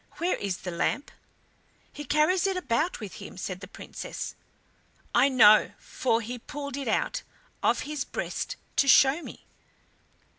Where is the lamp?" "He carries it about with him," said the Princess. "I know, for he pulled it out of his breast to show me.